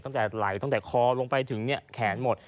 ตั้งแต่ไหลตั้งแต่คอลงไปถึงแขนหมด